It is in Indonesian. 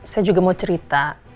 saya juga mau cerita